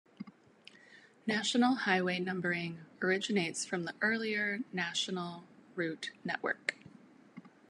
National Highway numbering originates from the earlier national route network.